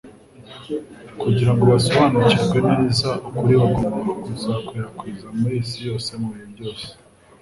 kugira ngo basobariukirwe neza ukuri bagomba kuzakwirakwiza mu isi yose mu bihe byose.